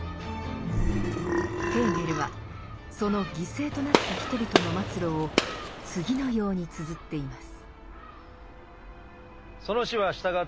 ヘーゲルはその犠牲となった人々の末路を次のようにつづっています。